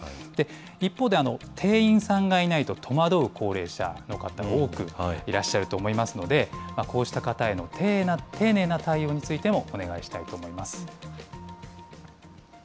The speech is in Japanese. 一方で、店員さんがいないと戸惑う高齢者の方が多くいらっしゃると思いますので、こうした方への丁寧な対応についてもお願いしたいと思います。